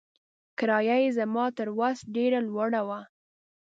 کرایه یې زما تر وس ډېره لوړه وه.